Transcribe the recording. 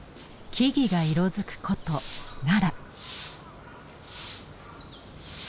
木々が色づく古都奈良。